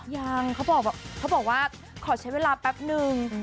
ยังเขาบอกว่าขอใช้เวลาแป๊บนึง